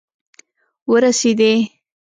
ورسیدي